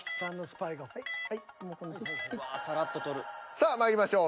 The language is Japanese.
さあまいりましょう。